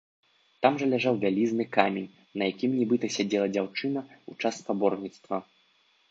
Там жа ляжаў вялізны камень, на якім нібыта сядзела дзяўчына ў час спаборніцтва.